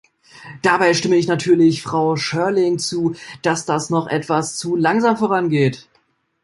Dabei stimme ich natürlich Frau Schörling zu, dass das noch etwas zu langsam vorangeht.